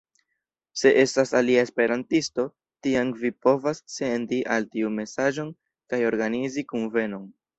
Se estas alia esperantisto, tiam vi povas sendi al tiu mesaĝon kaj organizi kunvenon.